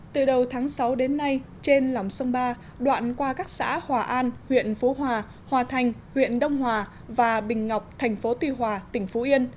từ đầu tháng sáu đến nay trên lòng sông ba đoạn qua các xã hòa an huyện phú hòa hòa thành huyện đông hòa và bình ngọc thành phố tuy hòa tỉnh phú yên